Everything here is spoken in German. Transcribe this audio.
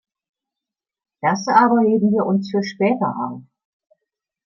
Das aber heben wir uns für später auf.